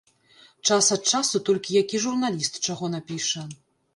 Час ад часу толькі які журналіст чаго напіша.